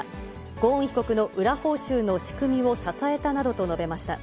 ゴーン被告の裏報酬の仕組みを支えたなどと述べました。